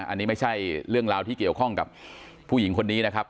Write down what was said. อันนี้ไม่ใช่เรื่องราวที่เกี่ยวข้องกับผู้หญิงคนนี้นะครับ